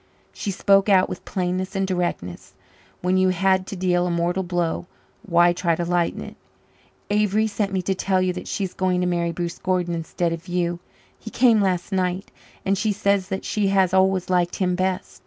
She spoke out, with plainness and directness. When you had to deal a mortal blow, why try to lighten it? "Avery sent me to tell you that she is going to marry Bruce Gordon instead of you. He came last night and she says that she has always liked him best."